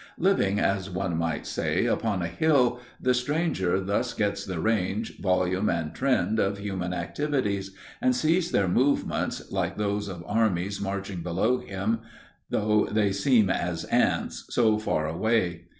Living, as one might say, upon a hill, the stranger thus gets the range, volume and trend of human activities, and sees their movements, like those of armies marching below him, though they seem as ants, so far away.